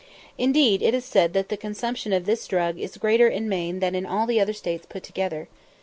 Indeed it is said that the consumption of this drug is greater in Maine than in all the other States put together.